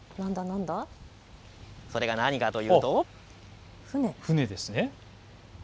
それが何かというと舟ですね。